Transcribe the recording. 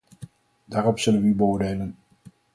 Daarop zullen we u beoordelen.